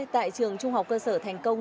tại trường trung học cơ sở thành công